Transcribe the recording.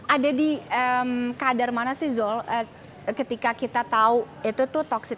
ada di kadar mana sih zul ketika kita tahu itu tuh toxic